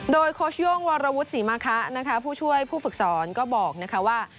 โดยโคชย่งวรวุฒิสิมาคะผู้ช่วยผู้ฝึกศรก็บอกว่า